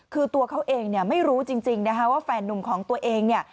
คือตัวเขาเองไม่รู้จริงว่าแฟนนุ่มของตัวเอง